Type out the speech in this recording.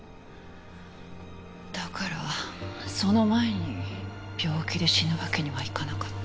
だからその前に病気で死ぬわけにはいかなかった